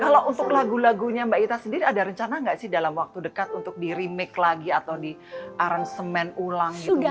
kalau untuk lagu lagunya mbak ita sendiri ada rencana nggak sih dalam waktu dekat untuk di remake lagi atau diarangsemen ulang gitu